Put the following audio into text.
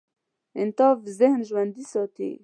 انعطاف ذهن ژوندي ساتي.